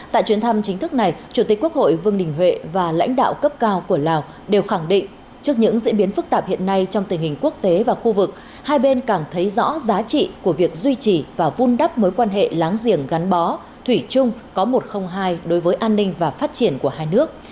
tại chuyến thăm chính thức này chủ tịch quốc hội vương đình huệ và lãnh đạo cấp cao của lào đều khẳng định trước những diễn biến phức tạp hiện nay trong tình hình quốc tế và khu vực hai bên càng thấy rõ giá trị của việc duy trì và vun đắp mối quan hệ láng giềng gắn bó thủy chung có một trăm linh hai đối với an ninh và phát triển của hai nước